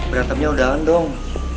berantemnya udahan dong